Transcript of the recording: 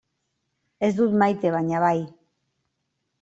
Ez dut maite baina bai.